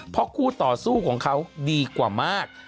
เพราะคู่ต่อสู้ของเขาดีกว่ามาก